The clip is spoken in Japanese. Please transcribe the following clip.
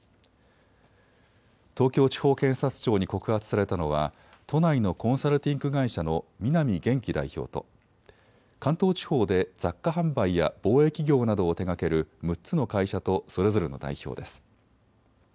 東京地方検察庁に告発されたのは都内のコンサルティング会社の南元貴代表と関東地方で雑貨販売や貿易業などを手がける６つの会社とそれぞれの代表です。